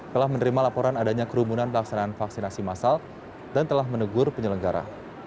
telah menerima laporan adanya kerumunan pelaksanaan vaksinasi masal dan telah menegur penyelenggara